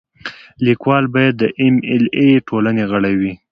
لیکوال باید د ایم ایل اې ټولنې غړی وي.